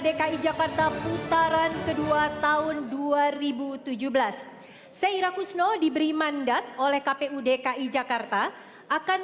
dki jakarta putaran kedua tahun dua ribu tujuh belas seira kusno diberi mandat oleh kpu dki jakarta akan